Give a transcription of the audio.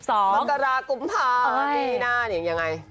มันกระรากุมภานี่น่านี่ยังไง